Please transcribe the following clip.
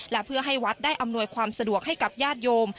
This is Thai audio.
และเพื่อให้วัดได้อำนวยความสะดวกให้กับญาติโยม